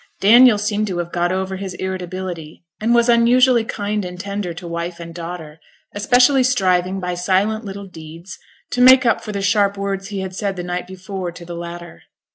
Daniel seemed to have got over his irritability, and was unusually kind and tender to wife and daughter, especially striving by silent little deeds to make up for the sharp words he had said the night before to the latter.